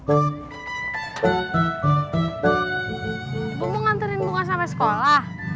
ibu mau nganterin bunga sampai sekolah